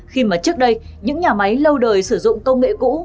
khi mà trước đây những nhà máy lâu đời sử dụng công nghệ cũ